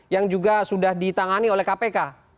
yang juga sudah ditangani oleh kpk